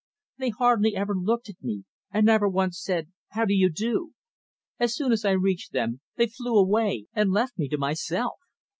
They hardly ever looked at me, and never once said: "How do you do?" As soon as I reached them they flew away and left me to myself.